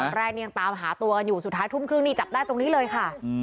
แรกยังตามหาตัวกันอยู่สุดท้ายทุ่มครึ่งนี่จับได้ตรงนี้เลยค่ะ